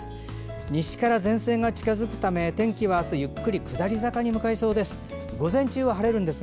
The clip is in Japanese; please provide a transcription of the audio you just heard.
西から前線が近づくため天気は、あすゆっくり下り坂に向かいそうです。